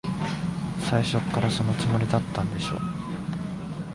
最初っから、そのつもりだったんでしょ。